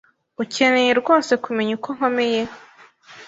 Ukeneye rwose kumenya uko nkomeye?